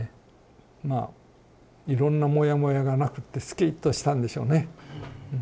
まあいろんなもやもやがなくてすきっとしたんでしょうね。